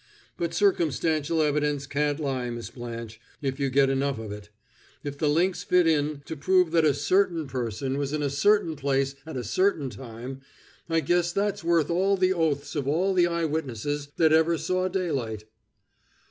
But circumstantial evidence can't lie, Miss Blanche, if you get enough of it. If the links fit in, to prove that a certain person was in a certain place at a certain time, I guess that's worth all the oaths of all the eye witnesses that ever saw daylight!"